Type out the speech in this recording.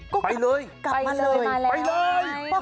ก็ไปเลยไปเลยไปเลยก็กลับมาเลยไปเลย